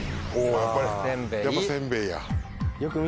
やっぱ「せんべい」や。